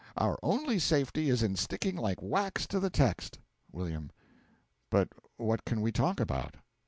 Our only safety is in sticking like wax to the text. W. But what can we talk about?